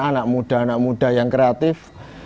anak muda anak muda yang kreatif